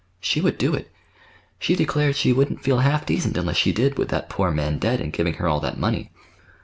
"She would do it. She declared she wouldn't feel half decent unless she did, with that poor man dead, and giving her all that money."